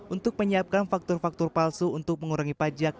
untuk menyiapkan faktor faktor palsu untuk mengurangi pajak